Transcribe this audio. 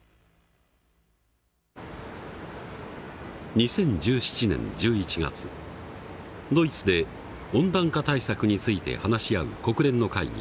２０１７年１１月ドイツで温暖化対策について話し合う国連の会議